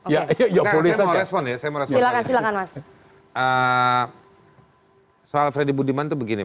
ya ya boleh saya mau respon ya saya mau respon silakan silakan mas soal freddy budiman tuh begini